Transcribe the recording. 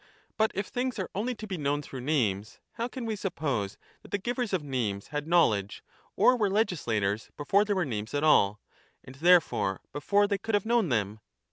But if things are only to be known through names, how can we suppose that the givers of names had know ledge, or were legislators before there were names at all, and therefore before they could have known them?